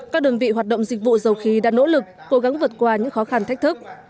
các đơn vị hoạt động dịch vụ dầu khí đã nỗ lực cố gắng vượt qua những khó khăn thách thức